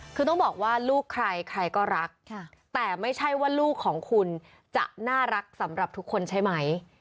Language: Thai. คือต้องบอกว่าลูกใครใครก็รักแต่ไม่ใช่ว่าลูกของคุณจะน่ารักสำหรับทุกคนใช่ไหม